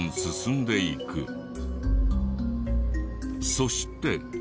そして。